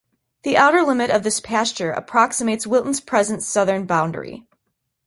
The outer limit of this pasture approximates Wilton's present southern boundary.